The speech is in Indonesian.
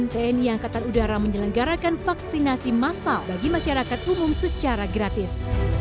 tni angkatan udara menyelenggarakan vaksinasi massal bagi masyarakat umum secara gratis